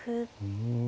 うん。